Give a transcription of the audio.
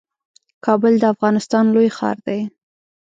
کابل د افغانستان لوی ښار دئ